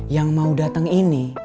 yang mau dateng ini